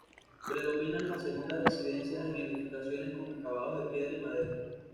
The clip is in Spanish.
Predominan las segundas residencias en edificaciones con acabados de piedra y madera.